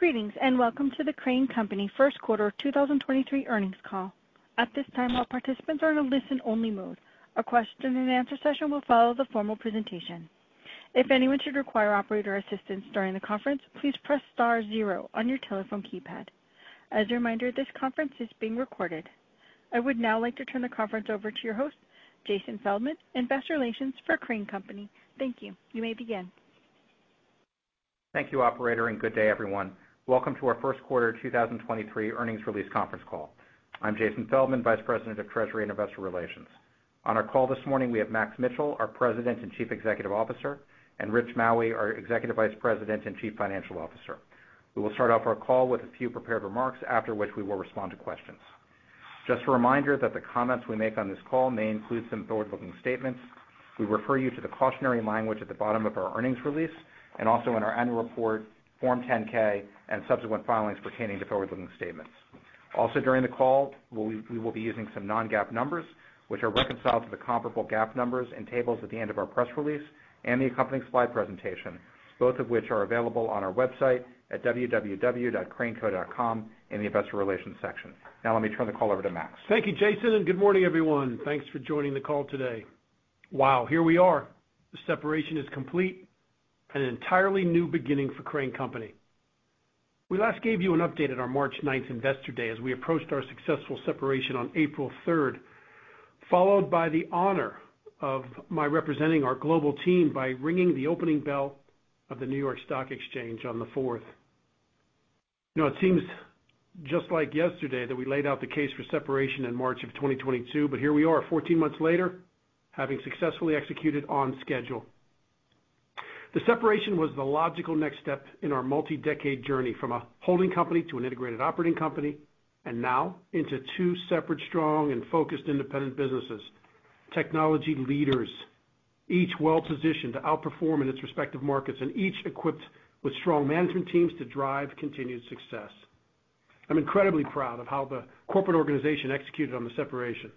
Greetings, and welcome to the Crane Company first quarter 2023 earnings call. At this time, all participants are in a listen only mode. A question-and-answer session will follow the formal presentation. If anyone should require operator assistance during the conference, please press star zero on your telephone keypad. As a reminder, this conference is being recorded. I would now like to turn the conference over to your host, Jason Feldman, Investor Relations for Crane Company. Thank you. You may begin. Thank you, Operator, and good day everyone. Welcome to our first quarter 2023 earnings release conference call. I'm Jason Feldman, Vice President of Treasury and Investor Relations. On our call this morning, we have Max Mitchell, our President and Chief Executive Officer, and Rich Maue, our Executive Vice President and Chief Financial Officer. We will start off our call with a few prepared remarks, after which we will respond to questions. Just a reminder that the comments we make on this call may include some forward-looking statements. We refer you to the cautionary language at the bottom of our earnings release and also in our annual report, Form 10-K and subsequent filings pertaining to forward-looking statements. Also, during the call, we will be using some non-GAAP numbers, which are reconciled to the comparable GAAP numbers and tables at the end of our press release and the accompanying slide presentation, both of which are available on our website at www.craneco.com in the Investor Relations section. Now let me turn the call over to Max. Thank you, Jason, and good morning everyone. Thanks for joining the call today. Wow, here we are. The separation is complete and an entirely new beginning for Crane Company. We last gave you an update at our March 9th Investor Day as we approached our successful separation on April 3rd, followed by the honor of my representing our global team by ringing the opening bell of the New York Stock Exchange on the 4th. You know, it seems just like yesterday that we laid out the case for separation in March of 2022, but here we are 14 months later, having successfully executed on schedule. The separation was the logical next step in our multi-decade journey from a holding company to an integrated operating company and now into two separate, strong and focused independent businesses. Technology leaders, each well-positioned to outperform in its respective markets and each equipped with strong management teams to drive continued success. I'm incredibly proud of how the corporate organization executed on the separation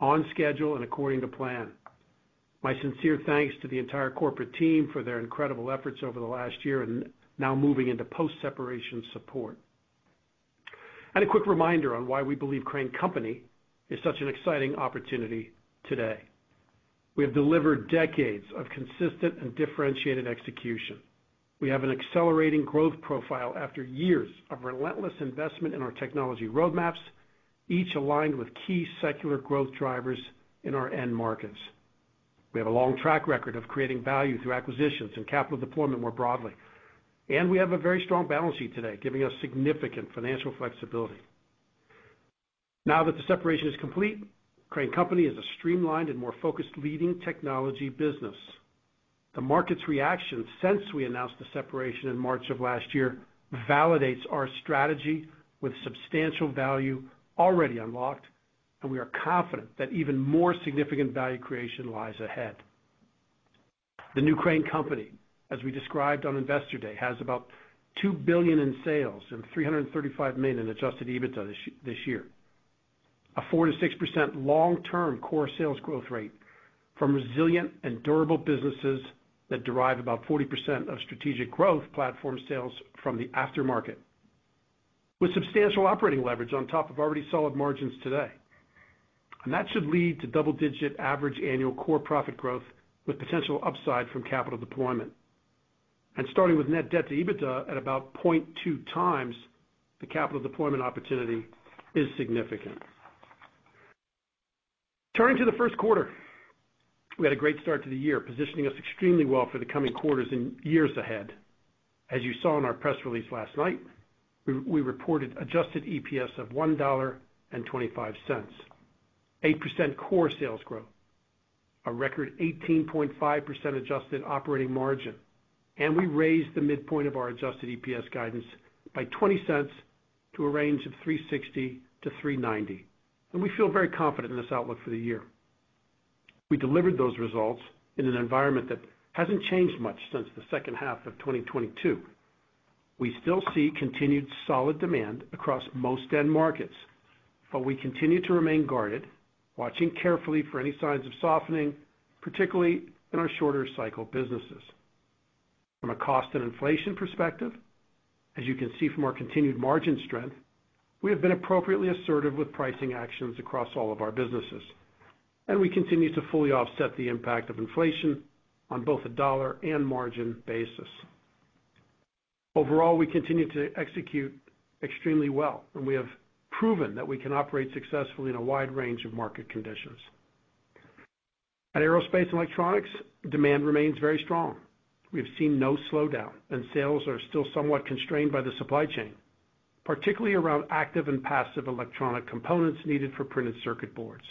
on schedule and according to plan. My sincere thanks to the entire corporate team for their incredible efforts over the last year and now moving into post-separation support. A quick reminder on why we believe Crane Company is such an exciting opportunity today. We have delivered decades of consistent and differentiated execution. We have an accelerating growth profile after years of relentless investment in our technology roadmaps, each aligned with key secular growth drivers in our end markets. We have a long track record of creating value through acquisitions and capital deployment more broadly. We have a very strong balance sheet today, giving us significant financial flexibility. Now that the separation is complete, Crane Company is a streamlined and more focused leading technology business. The market's reaction since we announced the separation in March of last year validates our strategy with substantial value already unlocked. We are confident that even more significant value creation lies ahead. The new Crane Company, as we described on Investor Day, has about $2 billion in sales and $335 million in adjusted EBITDA this year. A 4%-6% long-term core sales growth rate from resilient and durable businesses that derive about 40% of strategic growth platform sales from the aftermarket, with substantial operating leverage on top of already solid margins today. That should lead to double-digit average annual core profit growth with potential upside from capital deployment. Starting with net debt to EBITDA at about 0.2x, the capital deployment opportunity is significant. Turning to the first quarter, we had a great start to the year, positioning us extremely well for the coming quarters and years ahead. As you saw in our press release last night, we reported adjusted EPS of $1.25, 8% core sales growth, a record 18.5% adjusted operating margin, and we raised the midpoint of our adjusted EPS guidance by $0.20 to a range of $3.60-$3.90. We feel very confident in this outlook for the year. We delivered those results in an environment that hasn't changed much since the second half of 2022. We still see continued solid demand across most end markets, but we continue to remain guarded, watching carefully for any signs of softening, particularly in our shorter cycle businesses. From a cost and inflation perspective, as you can see from our continued margin strength, we have been appropriately assertive with pricing actions across all of our businesses, and we continue to fully offset the impact of inflation on both a dollar and margin basis. Overall, we continue to execute extremely well, and we have proven that we can operate successfully in a wide range of market conditions. At Aerospace & Electronics, demand remains very strong. We have seen no slowdown and sales are still somewhat constrained by the supply chain, particularly around active and passive electronic components needed for printed circuit boards.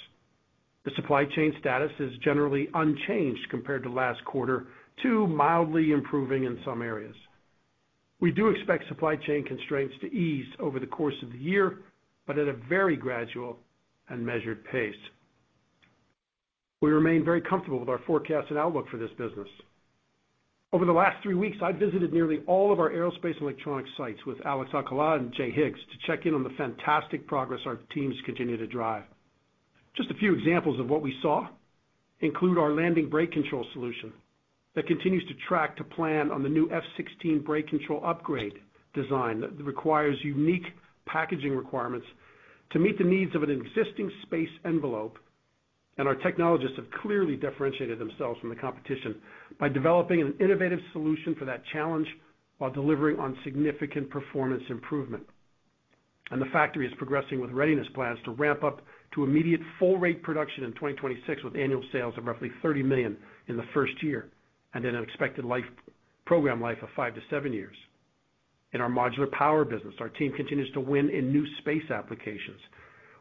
The supply chain status is generally unchanged compared to last quarter to mildly improving in some areas. We do expect supply chain constraints to ease over the course of the year, but at a very gradual and measured pace. We remain very comfortable with our forecast and outlook for this business. Over the last 3 weeks, I visited nearly all of our Aerospace & Electronics sites with Alex Alcala and Jay Higgs to check in on the fantastic progress our teams continue to drive. Just a few examples of what we saw include our landing brake control solution that continues to track to plan on the new F-16 brake control upgrade design that requires unique packaging requirements to meet the needs of an existing space envelope. Our technologists have clearly differentiated themselves from the competition by developing an innovative solution for that challenge while delivering on significant performance improvement. The factory is progressing with readiness plans to ramp up to immediate full rate production in 2026, with annual sales of roughly $30 million in the first year, and an expected life, program life of 5 to 7 years. In our modular power business, our team continues to win in new space applications,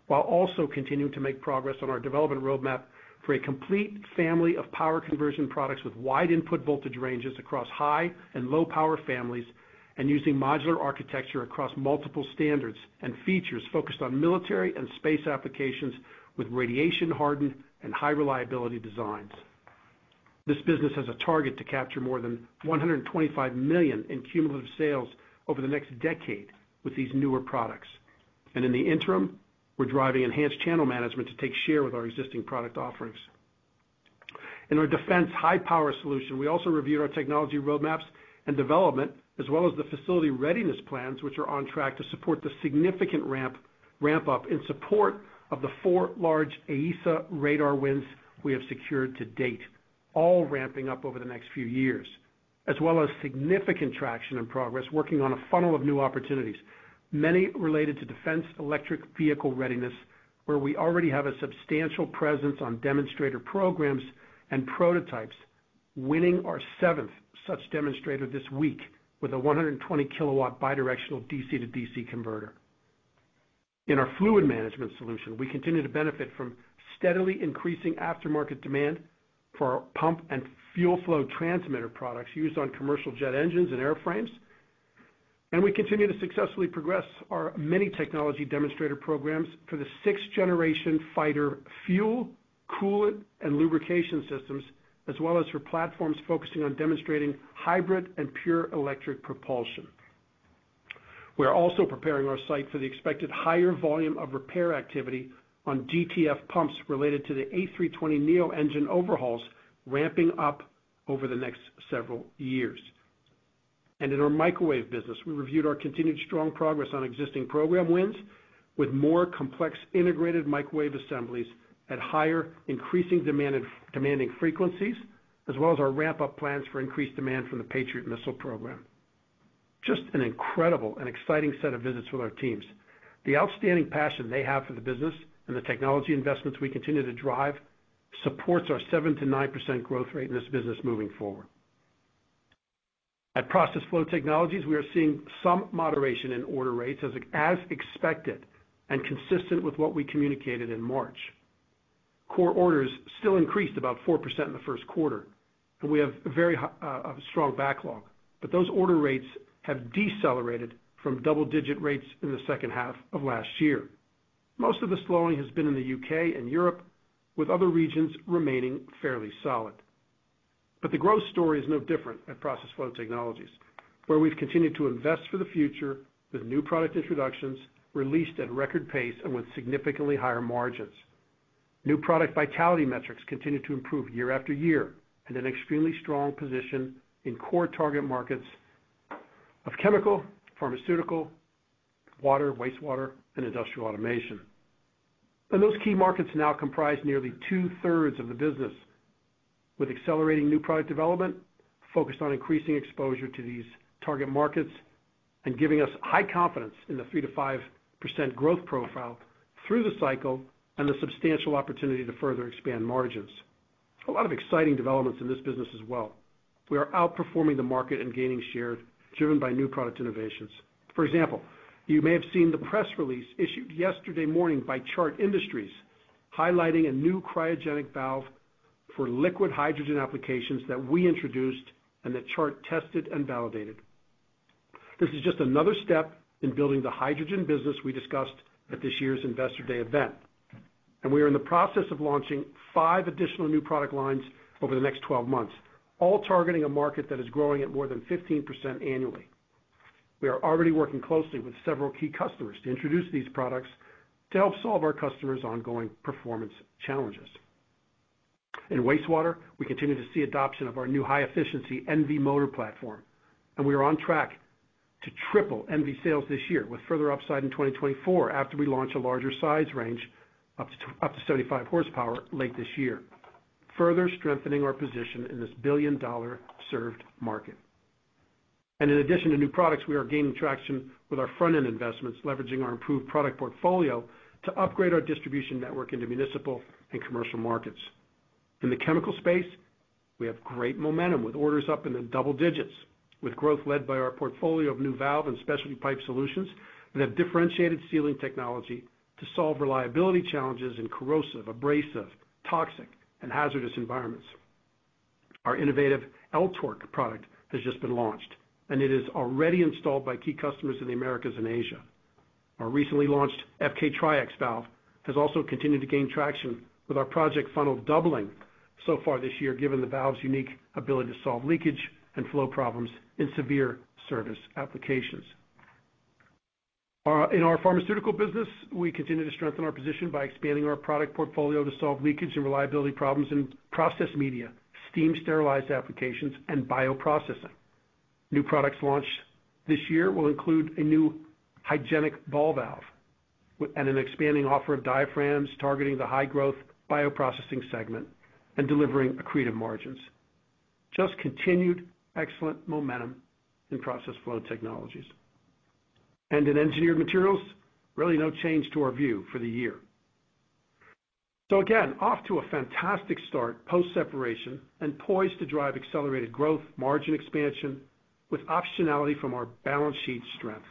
while also continuing to make progress on our development roadmap for a complete family of power conversion products with wide input voltage ranges across high and low power families, and using modular architecture across multiple standards and features focused on military and space applications with radiation hardened and high reliability designs. This business has a target to capture more than $125 million in cumulative sales over the next decade with these newer products. In the interim, we're driving enhanced channel management to take share with our existing product offerings. In our defense high power solution, we also reviewed our technology roadmaps and development as well as the facility readiness plans, which are on track to support the significant ramp up in support of the four large AESA radar wins we have secured to date, all ramping up over the next few years. Significant traction and progress working on a funnel of new opportunities, many related to defense electric vehicle readiness, where we already have a substantial presence on demonstrator programs and prototypes, winning our seventh such demonstrator this week with a 120 kW bidirectional DC-to-DC converter. In our fluid management solution, we continue to benefit from steadily increasing aftermarket demand for our pump and fuel flow transmitter products used on commercial jet engines and airframes. We continue to successfully progress our many technology demonstrator programs for the 6th-generation fighter fuel, coolant and lubrication systems, as well as for platforms focusing on demonstrating hybrid and pure electric propulsion. We are also preparing our site for the expected higher volume of repair activity on GTF pumps related to the A320neo engine overhauls ramping up over the next several years. In our microwave business, we reviewed our continued strong progress on existing program wins with more complex integrated microwave assemblies at higher increasing demanding frequencies, as well as our ramp up plans for increased demand from the Patriot missile program. Just an incredible and exciting set of visits with our teams. The outstanding passion they have for the business and the technology investments we continue to drive supports our 7%-9% growth rate in this business moving forward. At Process Flow Technologies, we are seeing some moderation in order rates as expected and consistent with what we communicated in March. Core orders still increased about 4% in the first quarter, and we have a very high, strong backlog. Those order rates have decelerated from double-digit rates in the second half of last year. Most of the slowing has been in the U.K. and Europe, with other regions remaining fairly solid. The growth story is no different at Process Flow Technologies, where we've continued to invest for the future with new product introductions released at record pace and with significantly higher margins. New product vitality metrics continue to improve year after year in an extremely strong position in core target markets of chemical, pharmaceutical, water, wastewater and industrial automation. Those key markets now comprise nearly 2/3 of the business, with accelerating new product development focused on increasing exposure to these target markets and giving us high confidence in the 3%-5% growth profile through the cycle and the substantial opportunity to further expand margins. A lot of exciting developments in this business as well. We are outperforming the market and gaining share driven by new product innovations. For example, you may have seen the press release issued yesterday morning by Chart Industries highlighting a new cryogenic valve for liquid hydrogen applications that we introduced and that Chart tested and validated. This is just another step in building the hydrogen business we discussed at this year's Investor Day event. We are in the process of launching five additional new product lines over the next 12 months, all targeting a market that is growing at more than 15% annually. We are already working closely with several key customers to introduce these products to help solve our customers ongoing performance challenges. In wastewater, we continue to see adoption of our new high efficiency NV motor platform. We are on track to triple NV sales this year with further upside in 2024 after we launch a larger size range up to 75 horsepower late this year, further strengthening our position in this billion dollar served market. In addition to new products, we are gaining traction with our front end investments, leveraging our improved product portfolio to upgrade our distribution network into municipal and commercial markets. In the chemical space, we have great momentum with orders up in the double digits with growth led by our portfolio of new valve and specialty pipe solutions that have differentiated sealing technology to solve reliability challenges in corrosive, abrasive, toxic and hazardous environments. Our innovative ELTORC product has just been launched, and it is already installed by key customers in the Americas and Asia. Our recently launched FK-TrieX valve has also continued to gain traction with our project funnel doubling so far this year given the valve's unique ability to solve leakage and flow problems in severe service applications. In our pharmaceutical business, we continue to strengthen our position by expanding our product portfolio to solve leakage and reliability problems in process media, steam sterilized applications, and bioprocessing. New products launched this year will include a new hygienic ball valve and an expanding offer of diaphragms targeting the high growth bioprocessing segment and delivering accretive margins. Just continued excellent momentum in Process Flow Technologies. In Engineered Materials, really no change to our view for the year. Again, off to a fantastic start post-separation and poised to drive accelerated growth, margin expansion with optionality from our balance sheet strength.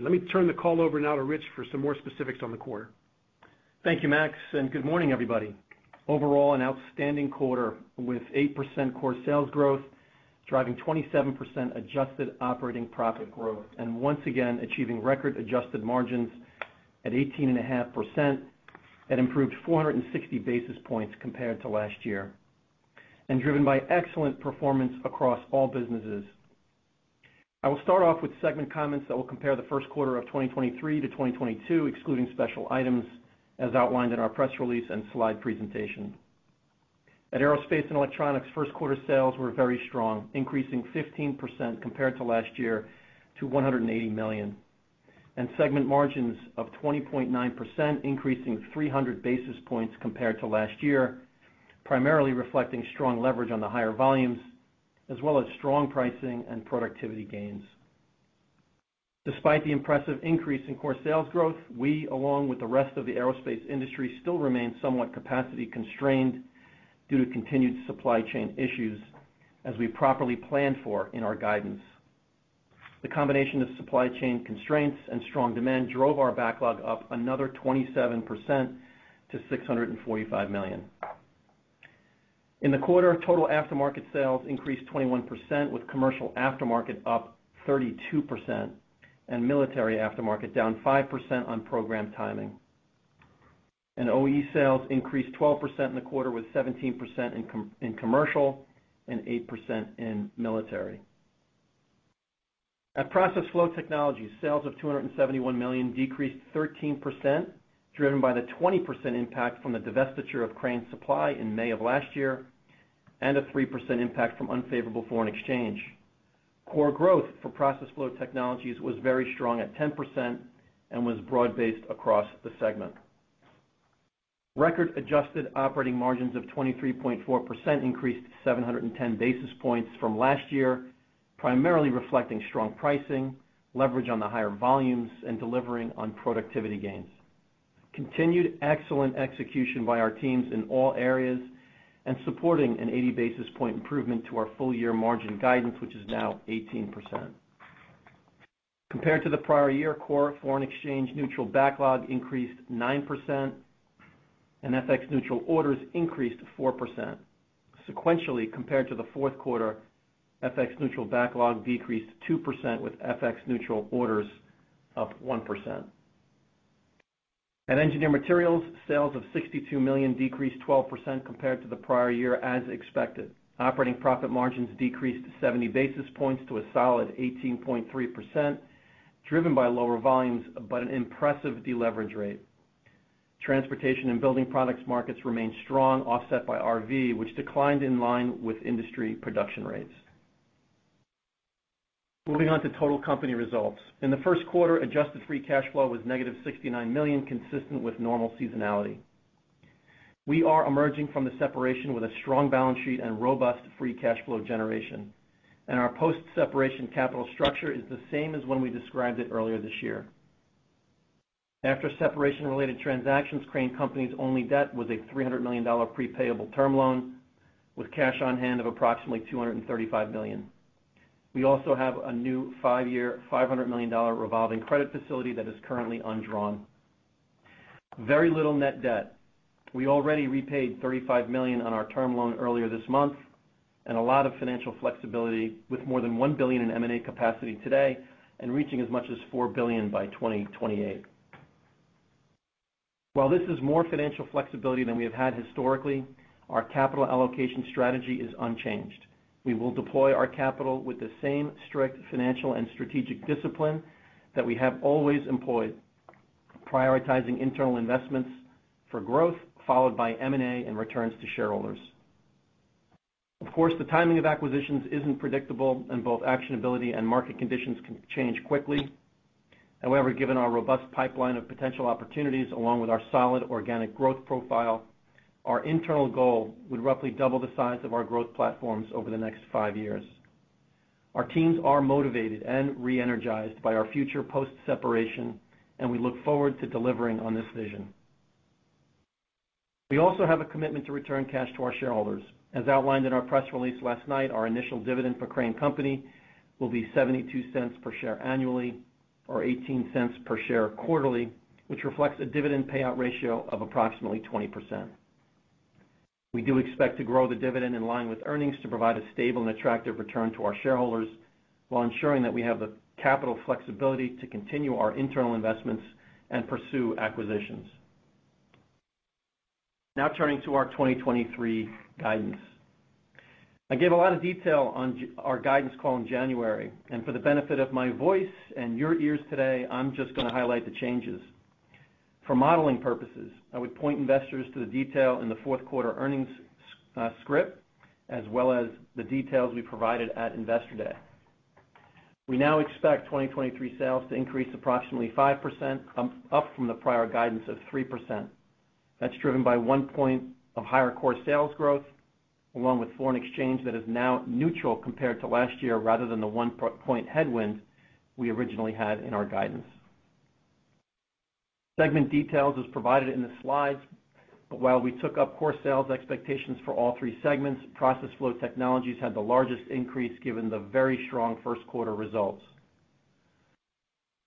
Let me turn the call over now to Rich for some more specifics on the quarter. Thank you, Max. Good morning, everybody. Overall, an outstanding quarter with 8% core sales growth, driving 27% adjusted operating profit growth and once again achieving record adjusted margins at 18.5%. That improved 460 basis points compared to last year and driven by excellent performance across all businesses. I will start off with segment comments that will compare the first quarter of 2023 to 2022, excluding special items as outlined in our press release and slide presentation. At Aerospace and Electronics, first quarter sales were very strong, increasing 15% compared to last year to $180 million, and segment margins of 20.9%, increasing 300 basis points compared to last year, primarily reflecting strong leverage on the higher volumes as well as strong pricing and productivity gains. Despite the impressive increase in core sales growth, we along with the rest of the aerospace industry, still remain somewhat capacity constrained due to continued supply chain issues as we properly planned for in our guidance. The combination of supply chain constraints and strong demand drove our backlog up another 27% to $645 million. In the quarter, total aftermarket sales increased 21%, with commercial aftermarket up 32% and military aftermarket down 5% on program timing. OE sales increased 12% in the quarter, with 17% in commercial and 8% in military. At Process Flow Technologies, sales of $271 million decreased 13%, driven by the 20% impact from the divestiture of Crane Supply in May of last year, and a 3% impact from unfavorable foreign exchange. Core growth for Process Flow Technologies was very strong at 10% and was broad-based across the segment. Record adjusted operating margins of 23.4% increased 710 basis points from last year, primarily reflecting strong pricing, leverage on the higher volumes and delivering on productivity gains. Continued excellent execution by our teams in all areas and supporting an 80 basis point improvement to our full year margin guidance, which is now 18%. Compared to the prior year, core foreign exchange neutral backlog increased 9% and FX neutral orders increased 4%. Sequentially compared to the fourth quarter, FX neutral backlog decreased 2%, with FX neutral orders up 1%. At Engineered Materials, sales of $62 million decreased 12% compared to the prior year as expected. Operating profit margins decreased 70 basis points to a solid 18.3%, driven by lower volumes, but an impressive deleverage rate. Transportation and building products markets remained strong, offset by RV, which declined in line with industry production rates. Moving on to total company results. In the first quarter, adjusted free cash flow was negative $69 million, consistent with normal seasonality. We are emerging from the separation with a strong balance sheet and robust free cash flow generation, and our post-separation capital structure is the same as when we described it earlier this year. After separation related transactions, Crane Company's only debt was a $300 million pre-payable term loan with cash on hand of approximately $235 million. We also have a new 5-year, $500 million revolving credit facility that is currently undrawn. Very little net debt. We already repaid $35 million on our term loan earlier this month. A lot of financial flexibility with more than $1 billion in M&A capacity today and reaching as much as $4 billion by 2028. While this is more financial flexibility than we have had historically, our capital allocation strategy is unchanged. We will deploy our capital with the same strict financial and strategic discipline that we have always employed, prioritizing internal investments for growth, followed by M&A and returns to shareholders. Of course, the timing of acquisitions isn't predictable. Both actionability and market conditions can change quickly. However, given our robust pipeline of potential opportunities along with our solid organic growth profile, our internal goal would roughly double the size of our growth platforms over the next five years. Our teams are motivated and re-energized by our future post-separation, and we look forward to delivering on this vision. We also have a commitment to return cash to our shareholders. As outlined in our press release last night, our initial dividend for Crane Company will be $0.72 per share annually or $0.18 per share quarterly, which reflects a dividend payout ratio of approximately 20%. We do expect to grow the dividend in line with earnings to provide a stable and attractive return to our shareholders while ensuring that we have the capital flexibility to continue our internal investments and pursue acquisitions. Now turning to our 2023 guidance. I gave a lot of detail on our guidance call in January, and for the benefit of my voice and your ears today, I'm just gonna highlight the changes. For modeling purposes, I would point investors to the detail in the fourth quarter earnings script, as well as the details we provided at Investor Day. We now expect 2023 sales to increase approximately 5%, come up from the prior guidance of 3%. That's driven by one point of higher core sales growth, along with foreign exchange that is now neutral compared to last year rather than the one point headwind we originally had in our guidance. Segment details is provided in the slides. While we took up core sales expectations for all three segments, Process Flow Technologies had the largest increase given the very strong first quarter results.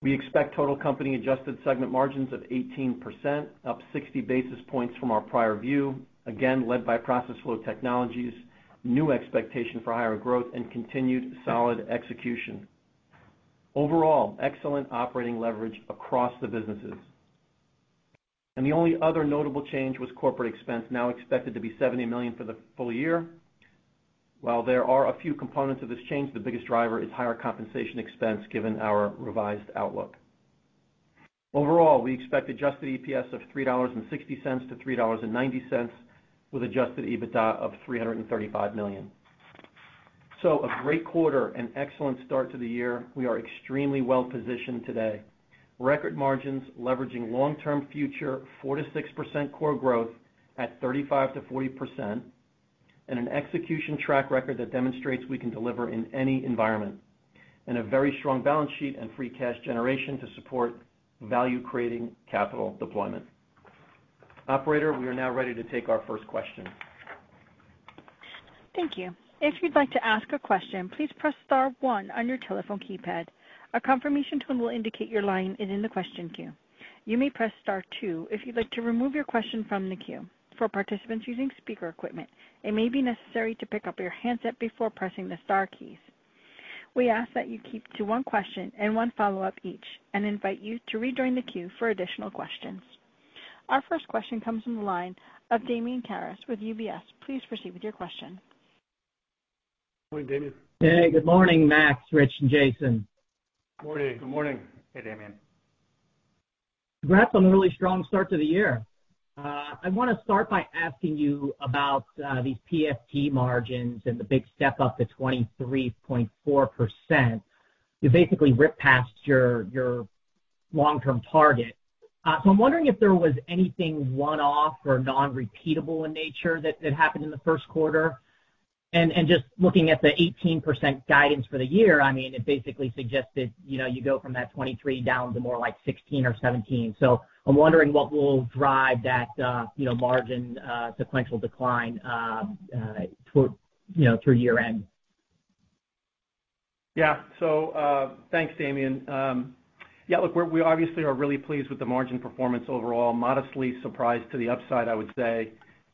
We expect total company adjusted segment margins of 18%, up 60 basis points from our prior view, again led by Process Flow Technologies' new expectation for higher growth and continued solid execution. Overall, excellent operating leverage across the businesses. The only other notable change was corporate expense, now expected to be $70 million for the full year. While there are a few components of this change, the biggest driver is higher compensation expense given our revised outlook. Overall, we expect adjusted EPS of $3.60-$3.90 with adjusted EBITDA of $335 million. A great quarter and excellent start to the year. We are extremely well positioned today. Record margins leveraging long-term future 4%-6% core growth at 35%-40%, an execution track record that demonstrates we can deliver in any environment, and a very strong balance sheet and free cash generation to support value creating capital deployment. Operator, we are now ready to take our first question. Thank you. If you'd like to ask a question, please press star one on your telephone keypad. A confirmation tone will indicate your line is in the question queue. You may press star two if you'd like to remove your question from the queue. For participants using speaker equipment, it may be necessary to pick up your handset before pressing the star keys. We ask that you keep to one question and one follow-up each, and invite you to rejoin the queue for additional questions. Our first question comes from the line of Damian Karas with UBS. Please proceed with your question. Morning, Damian. Hey, good morning, Max, Rich, and Jason. Morning. Good morning. Hey, Damian. Congrats on the really strong start to the year. I wanna start by asking you about these PFT margins and the big step up to 23.4%. You basically ripped past your long-term target. I'm wondering if there was anything one-off or non-repeatable in nature that happened in the first quarter. Just looking at the 18% guidance for the year, I mean, it basically suggested, you know, you go from that 23 down to more like 16 or 17. I'm wondering what will drive that, you know, margin sequential decline through, you know, through year-end. Thanks, Damian. Look, we obviously are really pleased with the margin performance overall. Modestly surprised to the upside, I would say,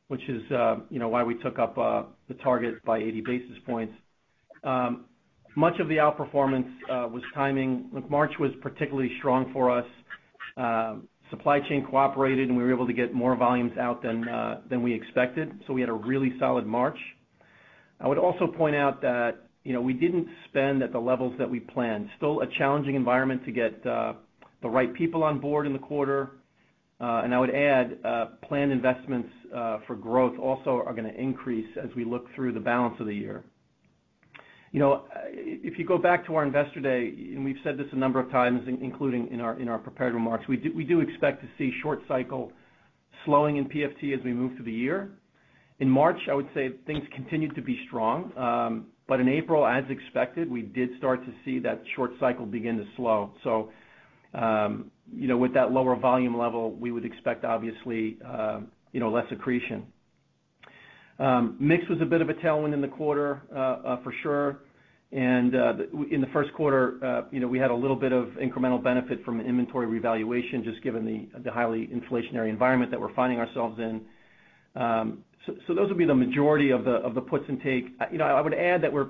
which is, you know, why we took up the target by 80 basis points. Much of the outperformance was timing. Look, March was particularly strong for us. Supply chain cooperated, and we were able to get more volumes out than we expected, so we had a really solid March. I would also point out that, you know, we didn't spend at the levels that we planned. Still a challenging environment to get the right people on board in the quarter. And I would add, planned investments for growth also are gonna increase as we look through the balance of the year. You know, if you go back to our Investor Day, we've said this a number of times, including in our, in our prepared remarks, we do expect to see short cycle slowing in PFT as we move through the year. In March, I would say things continued to be strong. In April, as expected, we did start to see that short cycle begin to slow. With that lower volume level, we would expect obviously, less accretion. Mix was a bit of a tailwind in the quarter for sure. In the first quarter, you know, we had a little bit of incremental benefit from an inventory revaluation, just given the highly inflationary environment that we're finding ourselves in. Those would be the majority of the, of the puts and takes. You know, I would add that we're,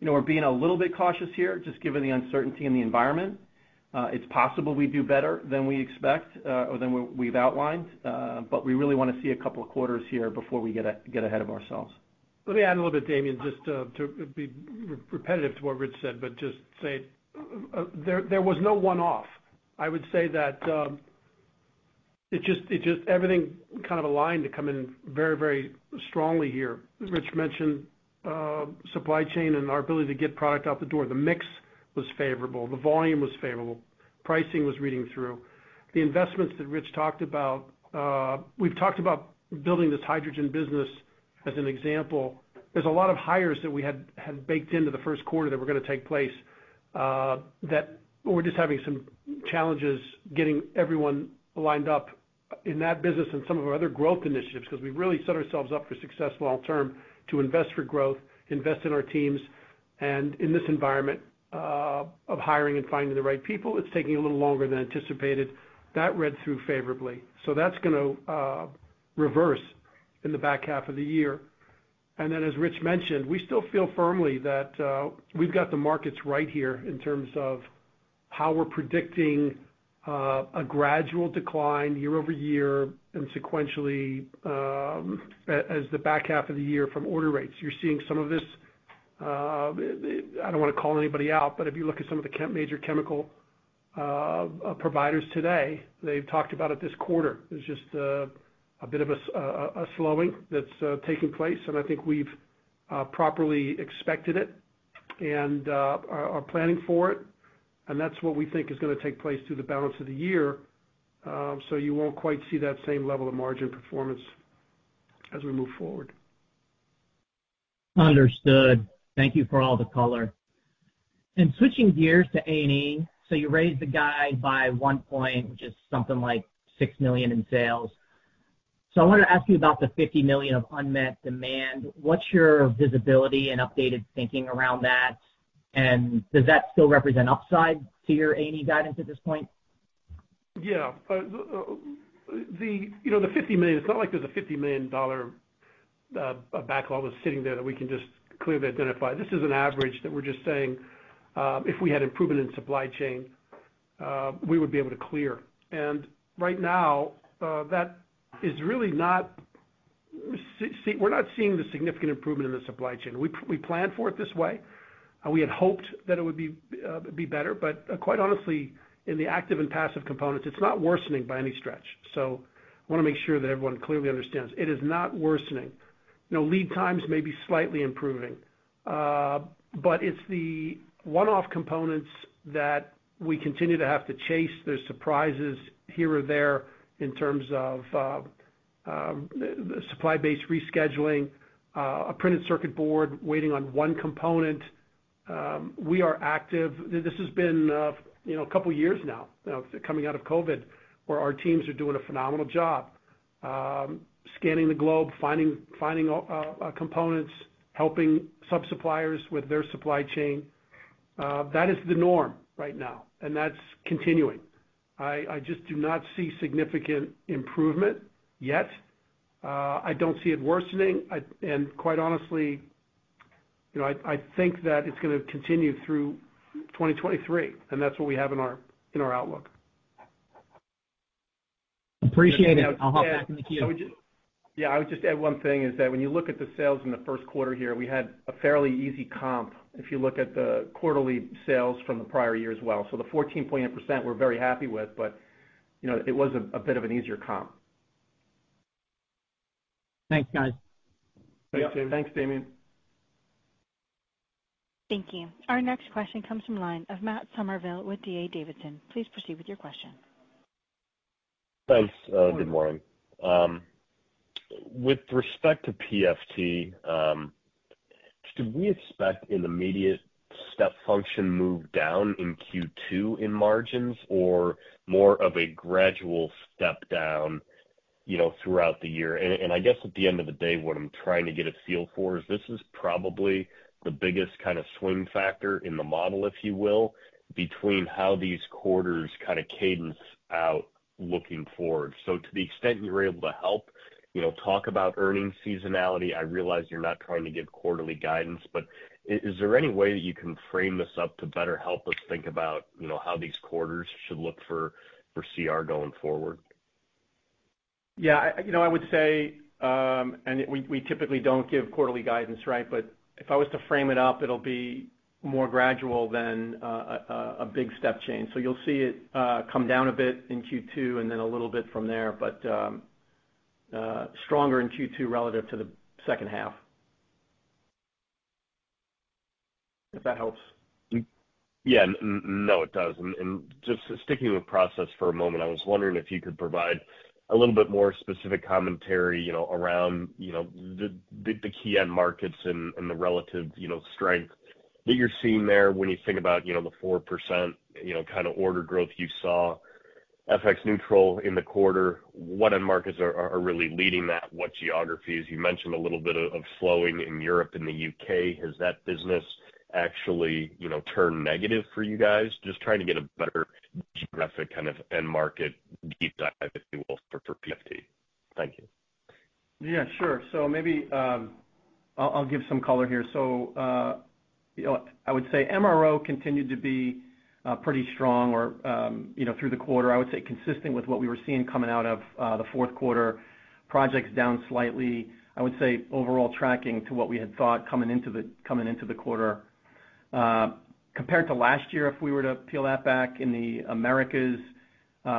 you know, we're being a little bit cautious here, just given the uncertainty in the environment. It's possible we do better than we expect, or than we've outlined, but we really wanna see a couple of quarters here before we get ahead of ourselves. Let me add a little bit, Damian, just to be repetitive to what Rich said, but just say there was no one-off. I would say that it just everything kind of aligned to come in very strongly here. Rich mentioned supply chain and our ability to get product out the door. The mix was favorable. The volume was favorable. Pricing was reading through. The investments that Rich talked about, we've talked about building this hydrogen business as an example. There's a lot of hires that we had baked into the first quarter that were gonna take place, that we're just having some challenges getting everyone lined up in that business and some of our other growth initiatives, 'cause we've really set ourselves up for success long term to invest for growth, invest in our teams, and in this environment, of hiring and finding the right people, it's taking a little longer than anticipated. That read through favorably. That's gonna reverse in the back half of the year. As Rich mentioned, we still feel firmly that we've got the markets right here in terms of how we're predicting, a gradual decline year-over-year and sequentially, as the back half of the year from order rates. You're seeing some of this. I don't wanna call anybody out, if you look at some of the major chemical providers today, they've talked about it this quarter. There's just a bit of a slowing that's taking place. I think we've properly expected it and are planning for it. That's what we think is gonna take place through the balance of the year. You won't quite see that same level of margin performance as we move forward. Understood. Thank you for all the color. Switching gears to A&E. You raised the guide by 1 point, which is something like $6 million in sales. I wanted to ask you about the $50 million of unmet demand. What's your visibility and updated thinking around that? Does that still represent upside to your A&E guidance at this point? You know, the $50 million, it's not like there's a $50 million backlog that's sitting there that we can just clearly identify. This is an average that we're just saying, if we had improvement in supply chain, we would be able to clear. Right now, that is really not we're not seeing the significant improvement in the supply chain. We planned for it this way. We had hoped that it would be better, but quite honestly, in the active and passive components, it's not worsening by any stretch. Wanna make sure that everyone clearly understands. It is not worsening. You know, lead times may be slightly improving. But it's the one-off components that we continue to have to chase. There's surprises here or there in terms of the supply base rescheduling, a printed circuit board waiting on one component. We are active. This has been, you know, a couple years now, you know, coming out of COVID, where our teams are doing a phenomenal job, scanning the globe, finding components, helping sub-suppliers with their supply chain. That is the norm right now, and that's continuing. I just do not see significant improvement yet. I don't see it worsening. Quite honestly, you know, I think that it's gonna continue through 2023, and that's what we have in our, in our outlook. Appreciate it. I'll hop back in the queue. Yeah, I would just add one thing, is that when you look at the sales in the first quarter here, we had a fairly easy comp if you look at the quarterly sales from the prior year as well. The 14-point percent we're very happy with, but, you know, it was a bit of an easier comp. Thanks, guys. Thanks, Damian. Thank you. Our next question comes from line of Matt Summerville with D.A. Davidson. Please proceed with your question. Thanks. Good morning. With respect to PFT, should we expect an immediate step function move down in Q2 in margins or more of a gradual step down, you know, throughout the year? I guess at the end of the day, what I'm trying to get a feel for is this is probably the biggest kind of swing factor in the model, if you will, between how these quarters kind of cadence out looking forward. To the extent you're able to help, you know, talk about earnings seasonality. I realize you're not trying to give quarterly guidance, is there any way that you can frame this up to better help us think about, you know, how these quarters should look for CR going forward? You know, I would say, we typically don't give quarterly guidance, right? If I was to frame it up, it'll be more gradual than a big step change. You'll see it come down a bit in Q2 and then a little bit from there. Stronger in Q2 relative to the second half. If that helps. Yeah. No, it does. Just sticking with process for a moment, I was wondering if you could provide a little bit more specific commentary, you know, around, you know, the key end markets and the relative, you know, strength that you're seeing there when you think about, you know, the 4%, you know, kinda order growth you saw, FX neutral in the quarter. What end markets are really leading that? What geographies? You mentioned a little bit of slowing in Europe and the UK. Has that business actually, you know, turned negative for you guys? Just trying to get a better geographic kind of end market deep dive, if you will, for PFT. Thank you. Yeah, sure. Maybe, I'll give some color here. You know, like, I would say MRO continued to be pretty strong or, you know, through the quarter. I would say consistent with what we were seeing coming out of the fourth quarter. Projects down slightly. I would say overall tracking to what we had thought coming into the quarter. Compared to last year, if we were to peel that back in the Americas,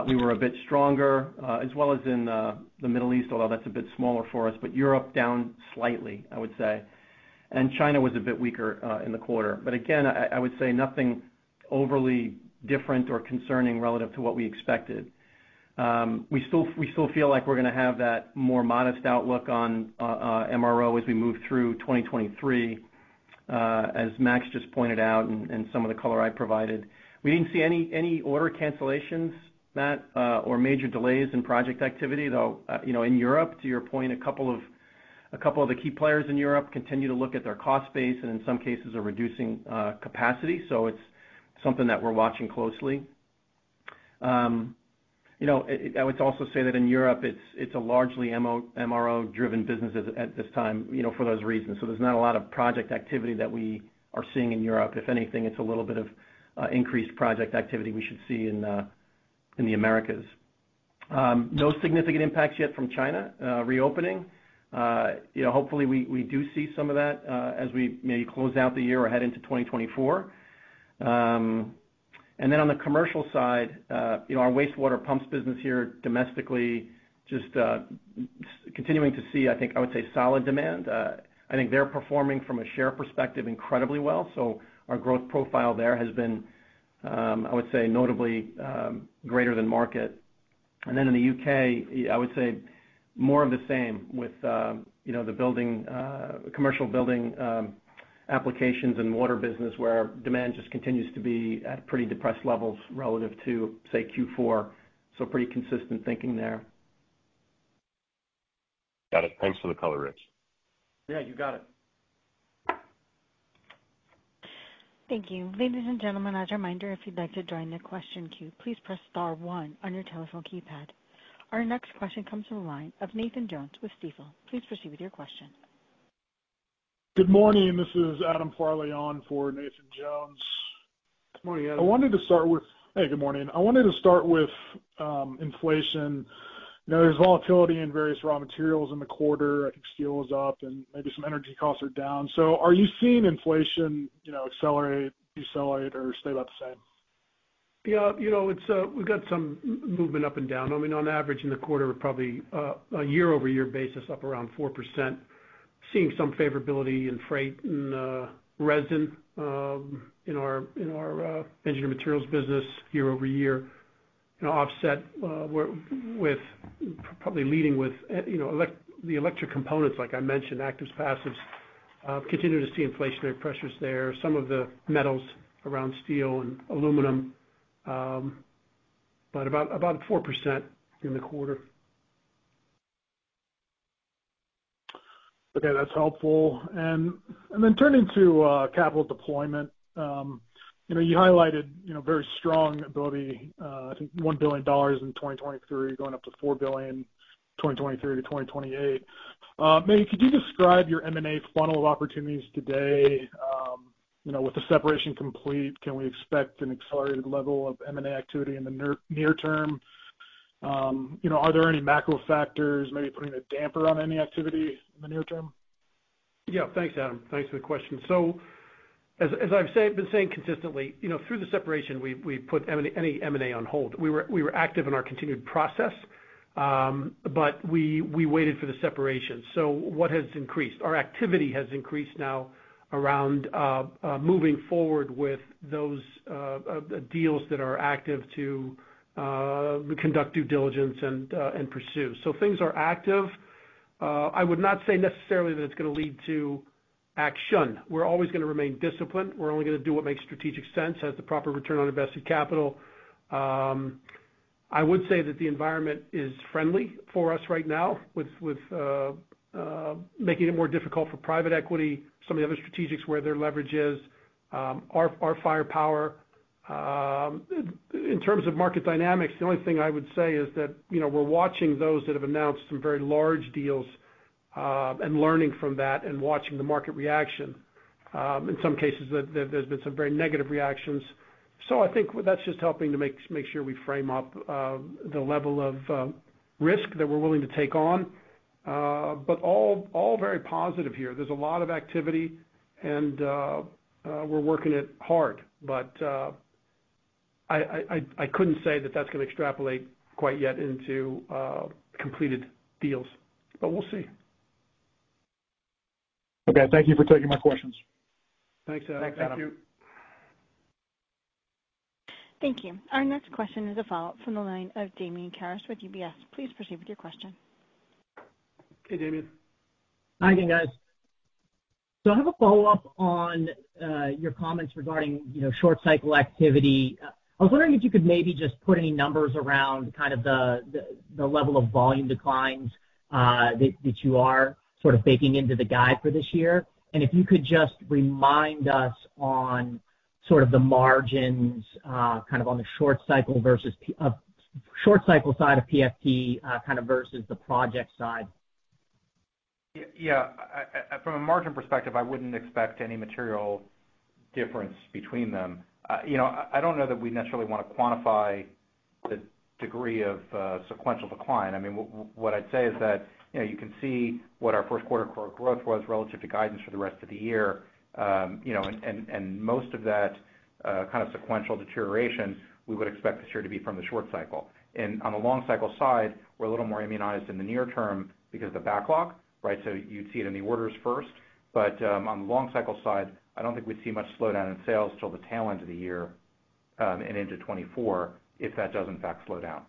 we were a bit stronger, as well as in the Middle East, although that's a bit smaller for us. Europe down slightly, I would say. China was a bit weaker in the quarter. Again, I would say nothing overly different or concerning relative to what we expected. We still feel like we're gonna have that more modest outlook on MRO as we move through 2023, as Max just pointed out and some of the color I provided. We didn't see any order cancellations, Matt, or major delays in project activity, though, you know, in Europe, to your point, a couple of the key players in Europe continue to look at their cost base and in some cases are reducing capacity. It's something that we're watching closely. You know, I would also say that in Europe it's a largely MRO driven business at this time, you know, for those reasons. There's not a lot of project activity that we are seeing in Europe. If anything, it's a little bit of increased project activity we should see in the Americas. No significant impacts yet from China reopening. You know, hopefully we do see some of that as we maybe close out the year or head into 2024. On the commercial side, you know, our wastewater pumps business here domestically just continuing to see, I think, I would say solid demand. I think they're performing from a share perspective incredibly well. Our growth profile there has been, I would say notably greater than market. In the U.K., I would say more of the same with, you know, the building, commercial building, applications and water business, where demand just continues to be at pretty depressed levels relative to, say, Q4. Pretty consistent thinking there. Got it. Thanks for the color, Rich. Yeah, you got it. Thank you. Ladies and gentlemen, as a reminder, if you'd like to join the question queue, please press star one on your telephone keypad. Our next question comes from the line of Nathan Jones with Stifel. Please proceed with your question. Good morning. This is Adam Farley on for Nathan Jones. Good morning, Adam. Hey, good morning. I wanted to start with inflation. You know, there's volatility in various raw materials in the quarter. I think steel is up and maybe some energy costs are down. Are you seeing inflation, you know, accelerate, decelerate, or stay about the same? Yeah, you know, it's, we've got some movement up and down. I mean, on average in the quarter, we're probably a year-over-year basis up around 4%. Seeing some favorability in freight and resin, in our Engineered Materials business year-over-year, you know, offset with probably leading with, you know, the electric components, like I mentioned, actives, passives, continue to see inflationary pressures there, some of the metals around steel and aluminum, but about 4% in the quarter. Okay, that's helpful. Then turning to capital deployment, you know, you highlighted, you know, very strong ability, I think $1 billion in 2023 going up to $4 billion, 2023-2028. Maybe could you describe your M&A funnel of opportunities today, you know, with the separation complete, can we expect an accelerated level of M&A activity in the near term? You know, are there any macro factors maybe putting a damper on any activity in the near term? Yeah. Thanks, Adam. Thanks for the question. As I've been saying consistently, you know, through the separation, we put any M&A on hold. We were active in our continued process, but we waited for the separation. What has increased? Our activity has increased now around moving forward with those deals that are active to conduct due diligence and pursue. Things are active. I would not say necessarily that it's gonna lead to action. We're always gonna remain disciplined. We're only gonna do what makes strategic sense, has the proper return on invested capital. I would say that the environment is friendly for us right now with making it more difficult for private equity, some of the other strategics where their leverage is our firepower. In terms of market dynamics, the only thing I would say is that, you know, we're watching those that have announced some very large deals, and learning from that and watching the market reaction. In some cases that there's been some very negative reactions. I think that's just helping to make sure we frame up the level of risk that we're willing to take on. All, all very positive here. There's a lot of activity and we're working it hard. I couldn't say that that's gonna extrapolate quite yet into completed deals, but we'll see. Okay. Thank you for taking my questions. Thanks, Adam. Thanks, Adam. Thank you. Our next question is a follow-up from the line of Damian Karas with UBS. Please proceed with your question. Hey, Damian. I have a follow-up on your comments regarding, you know, short cycle activity. I was wondering if you could maybe just put any numbers around kind of the level of volume declines that you are sort of baking into the guide for this year. If you could just remind us on sort of the margins, kind of on the short cycle versus short cycle side of PFT, kind of versus the project side. Yeah. From a margin perspective, I wouldn't expect any material difference between them. You know, I don't know that we necessarily wanna quantify the degree of sequential decline. I mean, what I'd say is that, you know, you can see what our first quarter core growth was relative to guidance for the rest of the year. You know, and most of that kind of sequential deterioration, we would expect this year to be from the short cycle. On the long cycle side, we're a little more immunized in the near term because of the backlog, right. You'd see it in the orders first. On the long cycle side, I don't think we'd see much slowdown in sales till the tail end of the year, and into 2024, if that does in fact slowdown.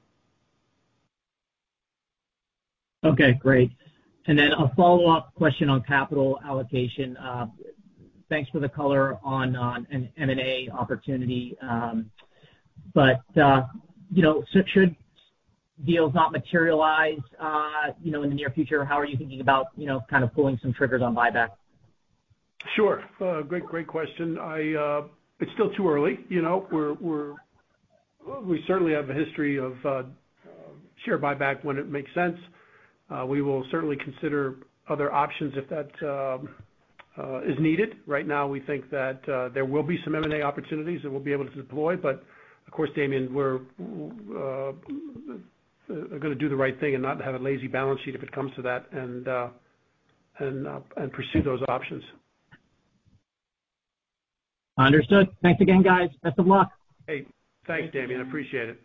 Okay, great. A follow-up question on capital allocation. Thanks for the color on an M&A opportunity. You know, should deals not materialize, you know, in the near future, how are you thinking about, you know, kind of pulling some triggers on buyback? Sure. Great question. I, it's still too early, you know. We certainly have a history of share buyback when it makes sense. We will certainly consider other options if that is needed. Right now, we think that there will be some M&A opportunities that we'll be able to deploy. Of course, Damian, we're gonna do the right thing and not have a lazy balance sheet if it comes to that, and pursue those options. Understood. Thanks again, guys. Best of luck. Hey, thanks, Damian. I appreciate it.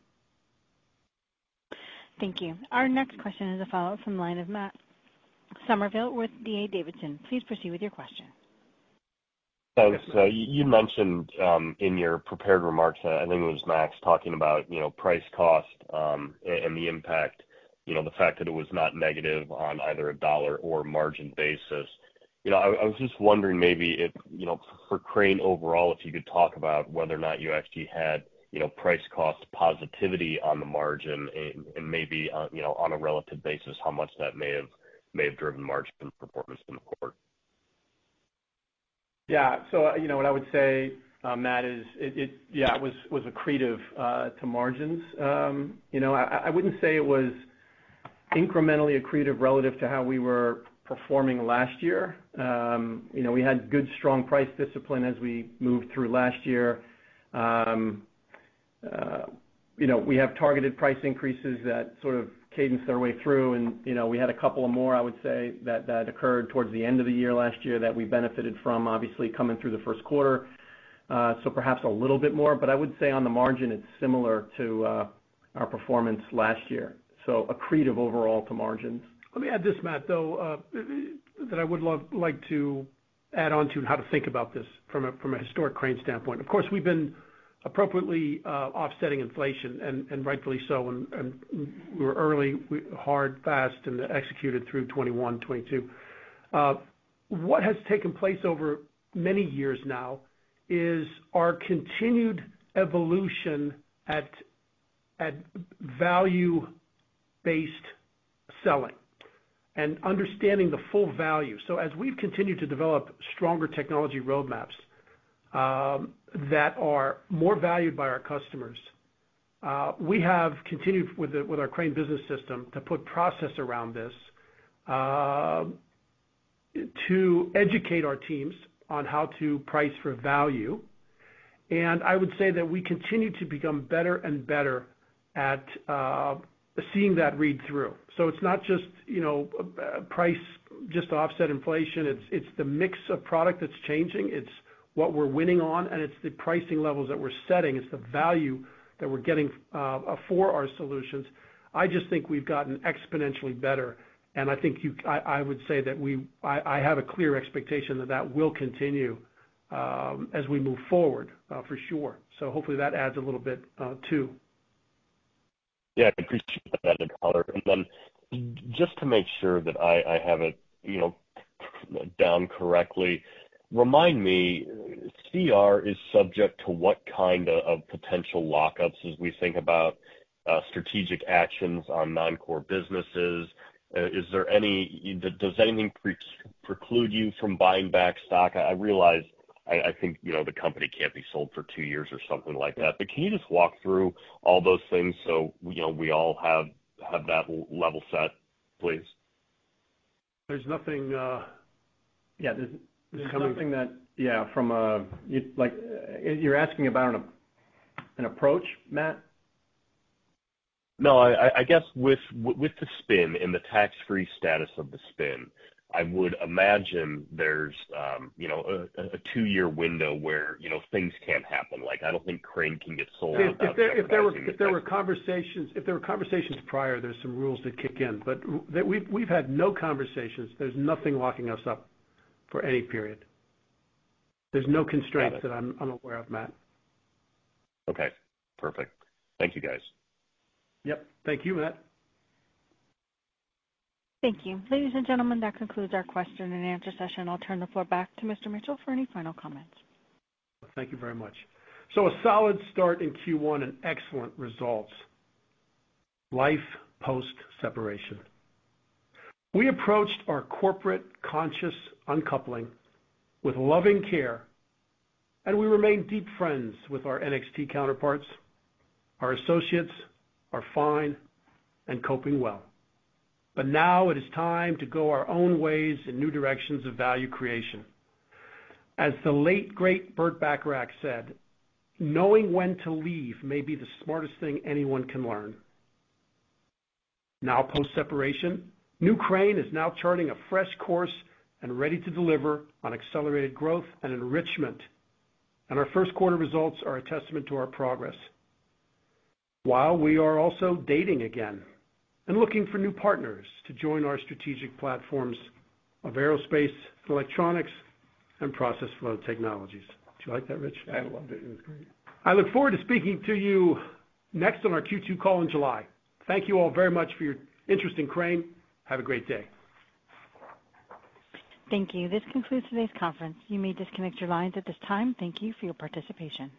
Thank you. Our next question is a follow-up from the line of Matt Summerville with D.A. Davidson. Please proceed with your question. Thanks. You mentioned in your prepared remarks, I think it was Max talking about, you know, price cost, and the impact, you know, the fact that it was not negative on either a dollar or margin basis. You know, I was just wondering maybe if, you know, for Crane overall, if you could talk about whether or not you actually had, you know, price cost positivity on the margin and maybe, you know, on a relative basis, how much that may have driven margin performance in the quarter. Yeah. You know, what I would say, Matt, is it was accretive to margins. You know, I wouldn't say it was incrementally accretive relative to how we were performing last year. You know, we have targeted price increases that sort of cadenced our way through. You know, we had a couple of more, I would say, that occurred towards the end of the year last year that we benefited from obviously coming through the 1st quarter. Perhaps a little bit more, but I would say on the margin, it's similar to our performance last year. Accretive overall to margins. Let me add this, Matt, though, that I would like to add on to how to think about this from a historic Crane standpoint. Of course, we've been appropriately offsetting inflation and rightfully so. We're early, hard, fast, and executed through 2021, 2022. What has taken place over many years now is our continued evolution at value-based selling and understanding the full value. As we've continued to develop stronger technology roadmaps that are more valued by our customers, we have continued with the, with our Crane Business System to put process around this to educate our teams on how to price for value. I would say that we continue to become better and better at seeing that read through. It's not just, you know, price just to offset inflation. It's the mix of product that's changing. It's what we're winning on, it's the pricing levels that we're setting. It's the value that we're getting for our solutions. I just think we've gotten exponentially better, I would say that I have a clear expectation that that will continue as we move forward for sure. Hopefully that adds a little bit too. Yeah, I appreciate that, Tyler. Just to make sure that I have it, you know, down correctly, remind me, CR is subject to what kind of potential lockups as we think about strategic actions on non-core businesses. Does anything preclude you from buying back stock? I realize, I think, you know, the company can't be sold for 2 years or something like that. Can you just walk through all those things so, you know, we all have that level set, please? There's nothing. Yeah. There's nothing. Yeah, Like, you're asking about an approach, Matt? No. I guess with the spin and the tax-free status of the spin, I would imagine there's, you know, a two-year window where, you know, things can't happen. Like, I don't think Crane can get sold without. If there were conversations prior, there's some rules that kick in. We've had no conversations. There's nothing locking us up for any period. There's no constraint that I'm aware of, Matt. Okay. Perfect. Thank you, guys. Yep. Thank you, Matt. Thank you. Ladies and gentlemen, that concludes our question-and-answer session. I'll turn the floor back to Mr. Mitchell for any final comments. Thank you very much. A solid start in Q1 and excellent results. Life post-separation. We approached our corporate conscious uncoupling with loving care, and we remain deep friends with our NXT counterparts. Our associates are fine and coping well. Now it is time to go our own ways in new directions of value creation. As the late great Burt Bacharach said, "Knowing when to leave may be the smartest thing anyone can learn." Now post-separation, New Crane is now charting a fresh course and ready to deliver on accelerated growth and enrichment. Our first quarter results are a testament to our progress. While we are also dating again and looking for new partners to join our strategic platforms of Aerospace & Electronics, and Process Flow Technologies. Did you like that, Rich? I loved it. It was great. I look forward to speaking to you next on our Q2 call in July. Thank you all very much for your interest in Crane. Have a great day. Thank you. This concludes today's conference. You may disconnect your lines at this time. Thank you for your participation.